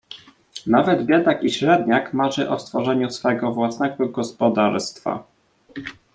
"Nawet biedak i średniak marzy o stworzeniu swego własnego gospodarstwa."